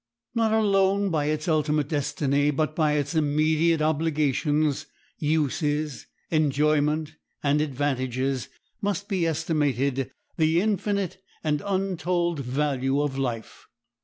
Not alone by its ultimate destiny, but by its immediate obligations, uses, enjoyment, and advantages, must be estimated the infinite and untold value of life.